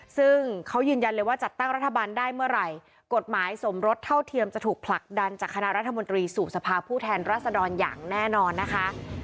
ซึ่งเขายืนยันเลยว่าจัดตั้งรัฐบาลได้เมื่อไหร่กฎหมายสมรสเท่าเทียมจะถูกผลักดันจากคณะรัฐมนตรีสู่สภาพผู้แทนรัศดรอย่างแน่นอนนะคะ